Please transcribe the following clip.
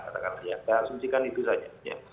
saya asumsikan itu saja